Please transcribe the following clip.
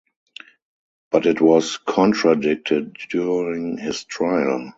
But it was contradicted during his trail.